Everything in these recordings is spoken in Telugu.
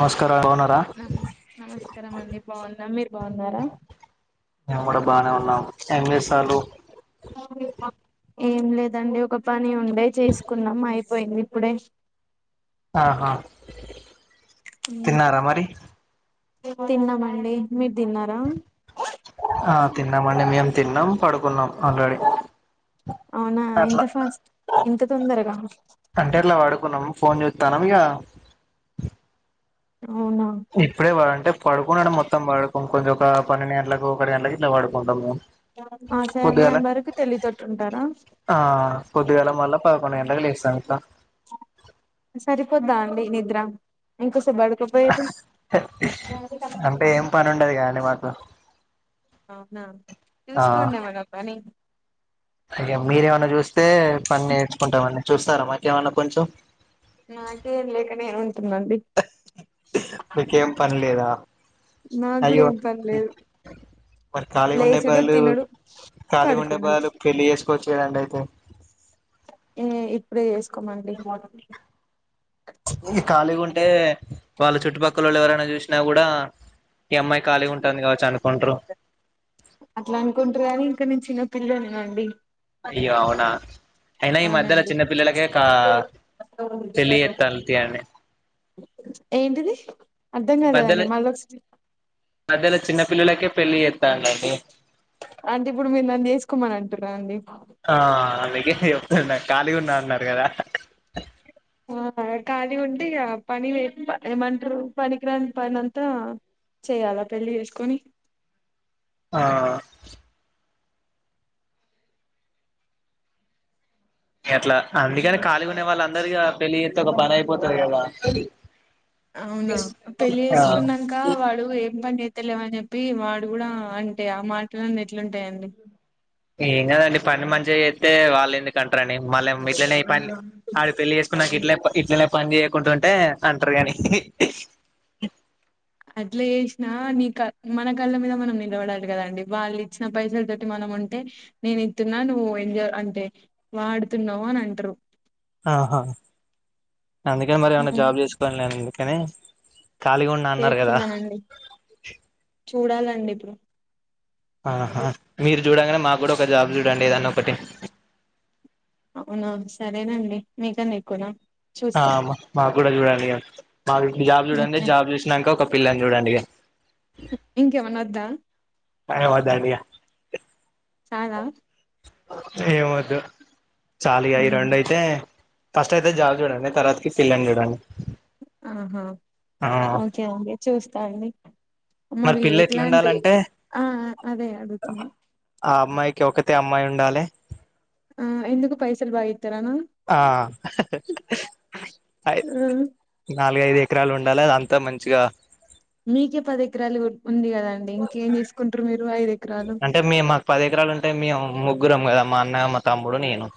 నమస్కారం బాగున్నారా నమస్ నమస్కారం అండి, బాగున్నా మీరు బాగున్నారా? మేము కూడా బానే ఉన్నాం ఏం చేస్తాల్లు ఏం లేదండి ఒక పని ఉండే చేసుకున్నాం అయిపోయింది ఇప్పుడే ఆహా తిన్నారా మరి? తిన్నామండి మీ ఆ తిన్నామండి మేము తిన్నాం పడుకున్నాం ఆల్రెడీ. అవునా ఇంత అట్లా ఫాస్ట్, ఇంత తొందరగా? న్నాం ఫోన్ చూత్తానం ఇగ అవునా ఇప్పుడే పడు అంటే పడుకునడం మొత్తం పడుకు కొంచెం ఒక పన్నెండు గంటలకు ఒకటి గంటలకి ఇట్ల పడుకుంటము ఆ సమయం వరకు తెలివితోటి ఉంటారా? ఆ పొద్దిగాల మల్ల పదకొండు గంటలు లేస్తాం ఇట్లా సరిపోద్దా అండి నిద్ర ఇంక స్ బడకపోయే అంటే ఏం పని ఉండదు కదండి మాకు అవునా చూసుకోండి మన పని ఇగ మీరేమన్నా చూస్తే పని నేర్చుకుంటామని, చూస్తారా మకేమన్నా కొంచెం? నాకేం లేకనే ఉంటుంనండి మీకేం పనిలేదా నాకు కూడా అయ్యో ఏం పని లేదు మరి ఖాళీగ ఉండే లేసుడు బదులు తినుడు ఖాళీ ఉండే పడుకుండు బదులు పెళ్లి చేసుకోవచ్చూ కదండి అయితే ఉమ్ ఇప్పుడే చేసుకోమండి ఈ ఖాళీగా ఉంటే వాళ్ళు చుట్టుపక్కలోళ్ళు ఎవరైనా చూస్ నా కూడా ఈ అమ్మాయి ఖాళీగా ఉంటాంది కావచ్చు అనుకుంట్రూ అట్లా అనుకుంటరుకాని ఇంకా నేను చిన్న పిల్లని కండి అయ్యో అవునా అయినా ఈ మధ్యలో అవునండి చిన్న పిల్లలకే కా పెళ్లి చేత్తల్లు తీయండి ఏంటిది అర్థం ఈ మధ్యలో కాలేదండి మల్లొకస్ మధ్యలో చిన్న పల్లలకే పెళ్ళి చేత్తాలండి అంటే ఇప్పుడు మీరు నన్ను చేసుకోమని అంటున్నరా అండి? ఆ అందుకే చెప్తున్నా ఖాళీగా ఉన్నా అన్నారు కదా ఆ ఖాళీగా ఉంటే ఇగ పని లే ఏమంటరు పనికిరాని పనింతా చెయాలా పెళ్లి చేసుకొని ఆ ఎట్ల అందుకనే ఖాళీగా ఉండేవాళ్లు అందరూ ఇగ పెళ్లి చేత్తే ఒక పనయిపోతది కదా అవునా పెళ్ళి ఆ చేసుకున్నాంక వాడు ఏం పని చే తెలేవ్ అని చెప్పి వాడు గుడా అంటే ఆ మాటలన్ని ఎట్లుంటయండి ఏం కాదండి పని మంచిగ చేత్తే వాళ్ళు ఎందుకంటరండి మళ్ళ మిట్లనేయి పన్ అడు పెళ్లి చేసుకున్నా గిట్లే ఇట్లనే పని చేయకుంటుంటే అంటరు కని అట్లా చేసినా నీ క మన కళ్ళ మీద మనం నిలబడాలి కదండి వాళ్ళు ఇచ్చిన పైసల తోటి మనం అంటే నేను ఇతున్నా నువ్వు ఎం అంటే వాడుతున్నావు అని అంటరు ఆహా అందుకని మరి ఏమన్నా ఉమ్, జాబ్ చేసుకోనిలేను అందుకని ఖాళీగా ఉండా అన్నారు కదా చేస్తున్నానండి చూడాలండి ఇప్పుడు ఆహా మీరు చూడంగానే మాకు కూడా ఒక జాబ్ చూడండి ఏదాన్న ఒకటి అవునా సరేనండి మీకన ఎక్కువనా ఆ చూస్తాం మాకు కూడా చూడండి ఇగ మాకు జాబ్ చూడండి ఓకే, జాబ్ చూసినాక ఒక పిల్లని చూడండి ఇంకేమన్నా వద్దా ఏ వద్దండిగా చాల ఏమ వద్దు చాలు ఇగ ఈ ఉమ్, రెండు అయితే ఫస్ట్ అయితే జాబ్ చూడండి తర్వాతకి పిల్లని చూడండి ఆహా ఆ ఓకే అండి చూస్తా అండి మరి పిల్ల ఎట్లాంటి ఎట్లుండాలంటే ఆ అదే అడుగుతున్న ఆ అమ్మాయికి ఒకతే అమ్మాయి ఉండాలి ఆ ఎందుకు పైసలు బాగా ఇస్తారనా ఆ అ నాలుగు ఐదు ఎకరాలు ఉండాలి అదంతా మంచిగా మీకే పది ఎకరాలు ఉంది కద అండి ఇంకేం చేసుకుంటారు మీరు ఐదు ఎకరాలు అంటే మేము మాకు పది ఎకరాలు ఉంటే మేము ముగ్గురం కదా మా అన్న మా తమ్ముడు నేను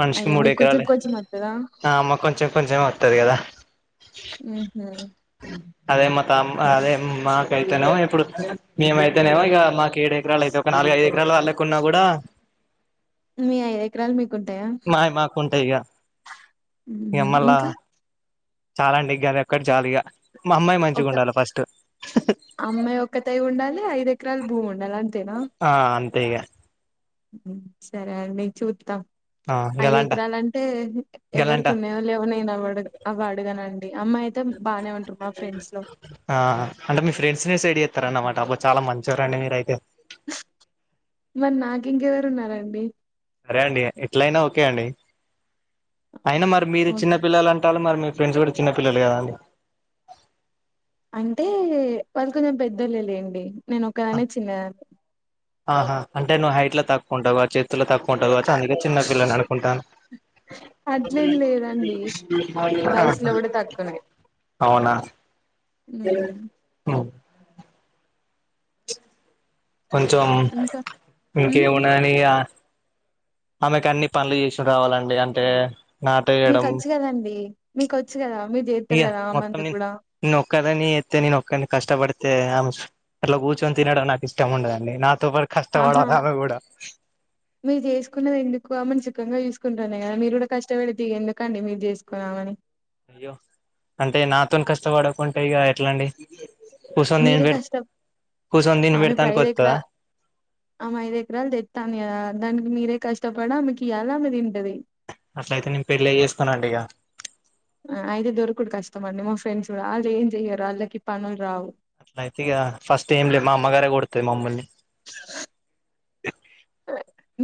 మనిషికి అయ్యో మూడు మీకు కొంచెం ఎకరలే కొంచెం వత్తదా ఆ మాకు కొంచెం కొంచం ఏ వస్తది కదా ఆహ అదే మా త అదే మాకైతేనేమో ఇప్పుడు మేమైతేనేమో ఇక మాకు ఏడు ఎకరాలు అయితే ఒక నాలుగు ఐదు ఎకరాలు వాళ్ళకు ఉన్నా కూడా మీ ఐదు ఎకరాలు మీకుంటాయా మాయి మాకు ఉంటాయి ఇక ఇంకా చాలు అండి ఇగ ఇది ఒక్కటి చాలు మా అమ్మాయి మంచిగా ఒక ఉండాలి ఫస్ట్ అమ్మాయి ఒక తై ఉండాలి ఐదు ఎకరాలు బూముండలి అంతేనా ఆ అంతే ఇగ సరే అండి చూత ఆ ఐదు గలాంట ఎకరాల అంటే ఎవరికి గలాంట ఉన్నాయో లేవో నేను అవ అవడుగను అండి అమ్మాయితే బానే ఉంటరూ మా ఫ్రెండ్స్ లో ఆ అంటే మీ ఫ్రెండ్స్ ని సేడ్ చేస్తారూ అన్నమాట అ చాలా మంచివారండి మీరయితే మరి నాకు ఇంకెవరు ఉన్నారండి సరే అండి ఎట్లయినా ఓకే అండి అయినా మరి మీరు చిన్న ఓకే పిల్లలు అంటారు మరి మీ ఫ్రెండ్స్ కూడా చిన్న పిల్లలు కదాండి అంటే వాళ్ళు కొంచెం పెద్దళ్లు లేండి నేను ఒకదానే చిన్నదాన్ని ఆహా అంటే నువ్వు హైట్ లో తక్కుఉంటావా ఆ చేతులో తక్కువ ఉంటావ్ కవచు అందుకే చిన్న చిన్నదాన్ని పిల్లని అనుకుంటాను అట్లేం లేదండి వయసులో కూడా తక్కువనే అవునా ఉమ్ ఉమ్. కొంచెం ఇంకా ఉమ్ ఇంకేమున్నాయని ఆమెకు అన్ని పనులు చేసుడు రావాలండి అంటే నాటేయడం మీకొచ్చు కదండి మీకు వచ్చు కదా మీరు చేస్తారు ఇగ కదా మొత్తం ఆమెందుకు నేను కూడా నేను ఒకదాన్నే ఎత్తే నేను ఒకడిని కష్టపడి తే ఆమె అట్లా కూర్చొని తినడం నాకు ఇష్టం ఉండదండి నా ఆహా మీరు చేసుకున్నది ఎందుకు ఆమెని సుఖంగా చూస్ కుంటోందిగ మీరు కూడా కష్టపడితే ఎందుకండి మీరు జేసుకొని ఆమెని అయ్యో అంటే నాతో కష్టపడకుంటే ఇంక ఎట్లా అండి కూర్చొని తిని మీరే పె కష్టం కూర్చొని తిని ఆమె ఇప్పుడు పెడతానికి ఐదు ఎకరా వత్తదా ఆమె ఐదు ఎకరాలు తెత్తాంది దానికి మీరే కష్ పడి అమెకి ఇయలి అది దింటది అట్లయితే నేను పెళ్ళ చేసుకోనండి ఇగ అయితే దొరకుడు కష్టమండి మా ఫ్రెండ్స్ కూడా ఆళ్ళు ఏం జేయ్యరు వాళ్ళకి పనులు రావు అయితే ఇగ ఫస్ట్ ఏం లే మా అమ్మగారే గొడతది మమ్మల్ని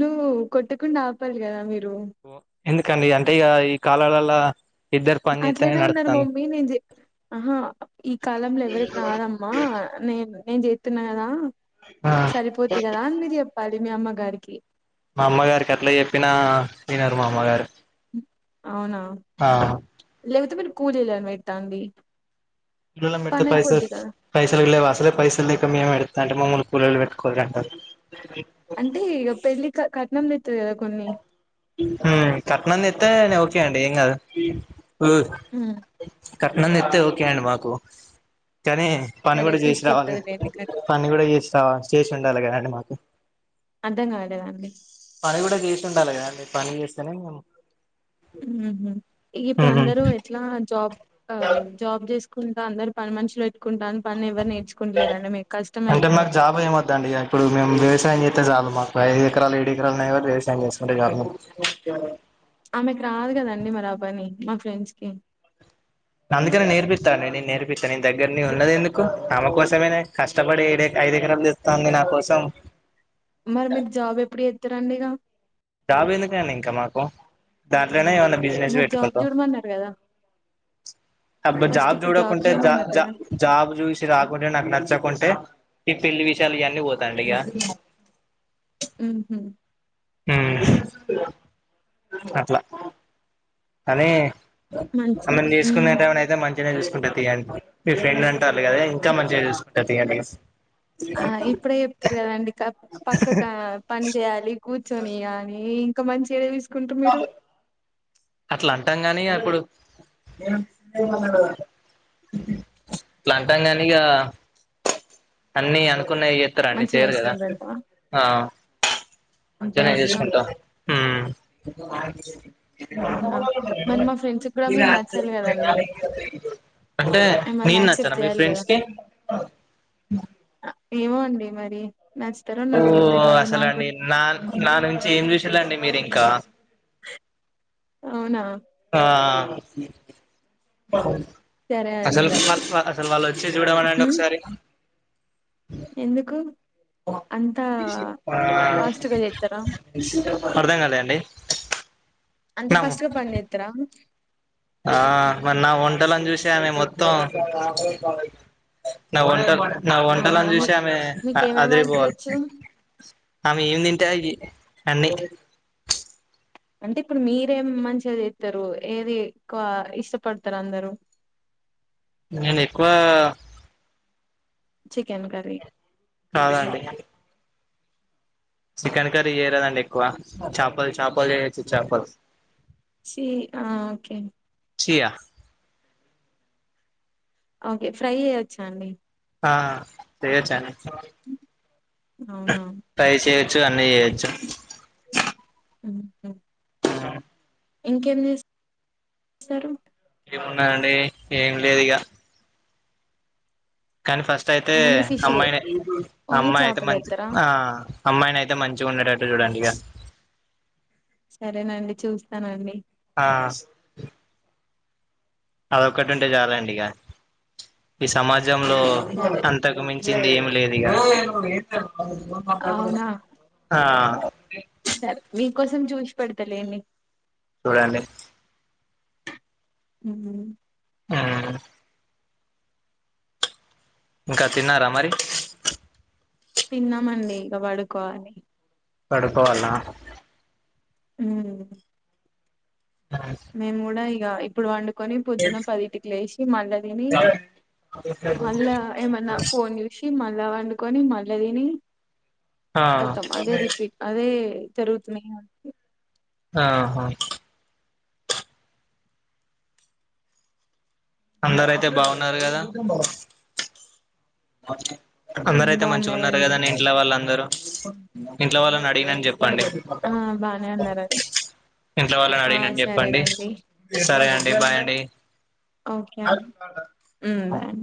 నువ్వు కొట్టకుండా ఆపాలి కదా మీరు ఎందుకండి అంటే ఇగ ఈ కాలాల్లల అట్లనే ఉన్నారు మమ్మీ నే చె ఆహా ఈ కాలంలో ఎవరికి రదమ్మా నేను నేను జేత్తున్నా కదా ఆ సరిపోద్ది కదా అని మీరు చెప్పాలి మీ అమ్మ గారికి మా అమ్మగారికి ఎట్లా చెప్పినా వినరు మా అమ్మగారు అవునా ఆ లేపోతే మీరు కూలిలను వెట్టండి కూళ్ళోలన్ పెడితే పైసల్ పైసల్ లేవు అస్సలే పైసలు లేక మేము ఎ డుతాంటే మమ్మల్ని కూలీలు పెట్టుకోవాలంటారు అంటే ఇగ పెళ్ళిక కట్నం తెత్తది కదా కొన్ని మ్ కట్నం తెత్తే లవ్ చేయండి ఏం కాదు ఉమ్ కట్నం తెత్తే ఓకే అండి మాకు కానీ పని సరే కూడా చేసి రావాలి తీసుకొత్తదిలేండి కట్ పని కూడా చేసి రావ చేసి ఉండాలి కదండి మాకు అర్ధం కాలేదండి పని కూడా చేసి ఉండాలి కదాండి పని చేస్తేనే మేము మ్ హు ఇప్పుడు అందరు ఎట్లా జాబ్ జాబ్ చేసుక్ కుంటా అందరు పని మనుషులు పెట్టుకుంటాను అంటే అయితది మాకు మరి జాబు ఏమి వద్ద అండి ఇగ ఇప్పుడు మేము వ్యవసాయం చేతే చాలు మాకు ఐదు ఎకరాలు ఏడు ఎకరాలున్నాయి వ్యవసాయం చేసుకుంటే చాలు ఆమెకు రాదు కదండి అవ్వన్ని మా ఫ్రెండ్స్ కి అందుకనే నేర్పిస్తా అండి నేను నేర్పిస్తా నేను దగ్గర్నే నేను ఉన్నది ఎందుకు ఆమె కోసమేనే కష్టపడే ఇక ఐదు ఎకరం తెస్తాంది నా కోసం మరి మీరు జాబ్ ఎప్పుడు చేస్తారండి ఇగ జాబ్ ఎందుకండి ఇంకా మాకు దాంట్లోనే ఏమన్నా బిజినెస్ మరి జాబ్ పెట్టుకుంటాం చూడమన్నారు కదా అబ్బ ఫస్ట్ జాబ్ ఇప్పుడు చూడకుంటే జ చూడమన్నారు జ కదా జాబ్ చూసి రాకుండా నాకు నచ్చకుంటే ఈ పెళ్లి విషయాలు ఇవన్నీ వద్దండి ఇగ హ్మ్ హు మ్ అట్లా కానీ మంచి అమ్మని దీసుకొని ఉమ్ అయితే ఏమైనా అయితే మంచి మంచిగనే చూసుకుంటా తీయ మీ ఫ్రెండ్ అంటాలు కదా ఇంకా మంచిగా చూసుకుంటా తీయ డేస్ ఆ ఇప్పుడే చెప్తురు కదండి పక్కగ పని చేయాలి కూర్చొని గానీ ఇంక మంచిగ ఏం చుసుకుంటు మీరు అట్లా అంటాం గాని అప్పుడు లాంగ్ టాంగ్ అయింది కదా అన్ని అనుకున్నావి చెస్తార అండి మంచిగా చేయరు కదా చూసుకుంటారంటవా ఆ అంతే అంతేనే అంటారా చేసుకుంటా మ్మ్ అవునా మరి మా ఫ్రెండ్స్ కూడా ఈ మీరు రాత్రి నచ్చాలి కదండి అ [unintelligible] అంటే మిమ్మల్ని నేను నచ్చన యాక్సెప్ట్ మీ చేయాలి కదా ఫ్రెండ్స్కి ఏమో అండి మరి నచ్చుతారో ఓ నచ్చరో తెలవదు నాకు అసలండి కూడా నా నా నుంచి ఏం చూసిలంది మీరింకా అవునా ఆ సరే అసలు అండి అసలు వాళ్ళు వచ్చి చూడమనండి ఉమ్ ఒకసారి ఎందుకు అంతా హా ఫాస్ట్ గా చెప్తారా అర్ధం కాలే అండి అంత నా ఫస్ట్గా పనిచెత్తర ఆ మరి నా వంటలని చూసామే మొత్తం నా వంటలు నా అవునా వంటలుని మీ చూసి ఆమె మీకేమేం అదిరి వంటలు పోవాలి వచ్చు ఆమె ఏం తింటే అయ్యి అన్నీ అంటే ఇప్పుడు మీరేం మంచిగ చెస్తరు ఏదిఎక్కువ ఇష్టపడతారు అందరు నేను ఎక్కువ చికెన్ కర్రీ కాదా అండి చికెన్ కర్రీ చేయరాదండి ఎక్కువ చాపల్ చాపల్ చేయొచ్చు చాపలు చి ఆ ఓకే చి ఆ ఓకే ఫ్రై చేయొచ్చా అండి ఆ చేయొచ్చండి అవునా ఫ్రై చేయొచ్చు చ్చ అన్ని చేయొచ్చు ఉహు ఇంకేం చేస్తారు ఏమున్నాయి అండి ఏం లేదు ఇక కానీ ఫస్ట్ అయితే ఓన్లీ ఫిషే అమ్మాయినె ఓన్లీ అమ్మాయి అయితే మంచి చేపలేత్తరా ఆ అమ్మాయిని అయితే మంచిగా ఉండేటట్టు చూడండి ఇక సరేనండి చూస్తానండి ఆ అదొక్కటి ఉంటే చాలండి ఇక ఈ సమాజం జంలో సరే అంతకు మించింది ఏమి లేదు ఇక అవునా ఆ సరే మీకోసం చూసి పెడతలేండి చూడండి మ్ హు ఆ ఇంకా తిన్నారా మరి తిన్నామండి ఇక పడుకోవాలి పడుకోవాల్న మ్ నేను కూడా ఇక ఇప్పుడు వండుకొని పొద్దున పదింటికి లేసి మళ్ళా తిని మళ్ళా ఏమన్నా ఫోన్ చూసి మల్ల అలా వండుకొని మళ్ళీ తిని ఆ ఖతం అదే రిపీట్ అదే జరుగుతున్నాయి అందుకే ఆహా అందరయితే బాగున్నారు కదా అందరయితే మంచిగాన్నారు బాగున్నారండి కదా ఇంట్లో వాళ్ళ అందరూ. ఇంట్లో వాళ్ళని అడిగినాని చెప్పు. చెప్పండి ఆ బానే ఉన్నారండి ఇంట్లో వాళ్ళని ఆ అడిగినాని చెప్పండి సరేనండి సరే అండి బాయ్ అండి ఓకే అండి మ్ బాయ్